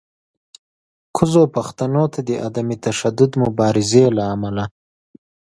کوزو پښتنو ته د عدم تشدد مبارزې له امله